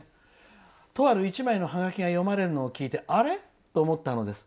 「とある１枚のハガキが読まれるのを聞いてあれ？と思ったのです。